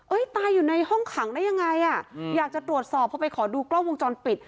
ตายอยู่ในห้องขังได้ยังไงอ่ะอยากจะตรวจสอบพอไปขอดูกล้องวงจรปิด